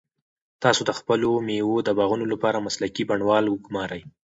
تاسو د خپلو مېوو د باغونو لپاره مسلکي بڼوال وګمارئ.